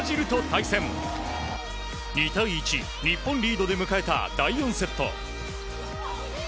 ２対１、日本リードで迎えた第４セット。